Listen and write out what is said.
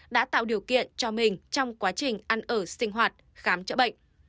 đã tạo điều kiện cho mình trong quá trình ăn ở sinh hoạt khám chữa bệnh